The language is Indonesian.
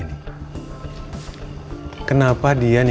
menurut you dulu bisa rein